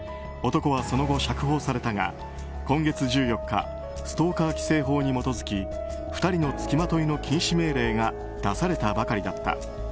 男はその後、釈放されたが今月１４日ストーカー規制法に基づき２人のつきまといの禁止命令が出されたばかりだった。